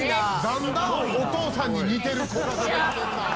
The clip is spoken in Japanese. だんだんお父さんに似てる子が出てきてるな。